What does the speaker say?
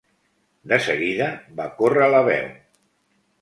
De seguida va córrer la veu.